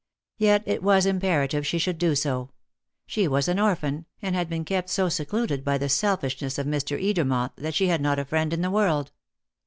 Yet it was imperative she should do so. She was an orphan, and had been kept so secluded by the selfishness of Mr. Edermont that she had not a friend in the world.